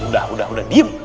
udah udah udah diem